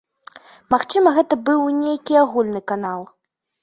Магчыма гэта быў нейкі агульны канал.